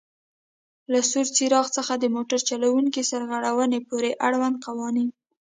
له سور څراغ څخه د موټر چلوونکي سرغړونې پورې آړوند قوانین: